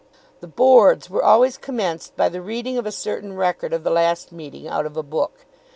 The "Boards" were always commenced by the reading of a certain record of the last meeting out of a book.